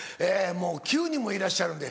もう９人もいらっしゃるんで。